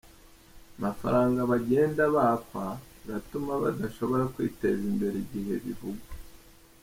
mafaranga bagenda bakwa iratuma badashobora kwiteza imbere igihe bivugwa